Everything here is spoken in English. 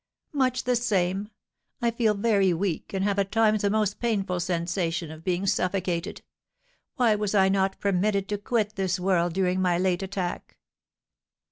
"Much the same; I feel very weak, and have at times a most painful sensation of being suffocated. Why was I not permitted to quit this world during my late attack?"